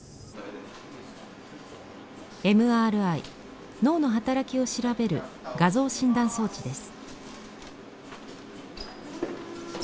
ＭＲＩ脳の働きを調べる画像診断装置です。